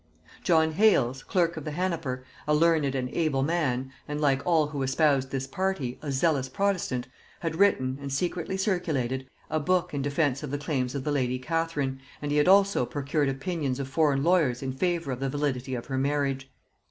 John Hales, clerk of the hanaper, a learned and able man, and, like all who espoused this party, a zealous protestant, had written, and secretly circulated, a book in defence of the claims of the lady Catherine, and he had also procured opinions of foreign lawyers in favor of the validity of her marriage.